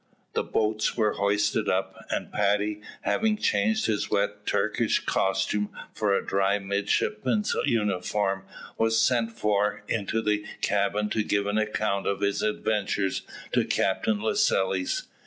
The boats were hoisted up, and Paddy, having changed his wet Turkish costume for a dry midshipman's uniform, was sent for into the cabin to give an account of his adventures to Captain Lascelles.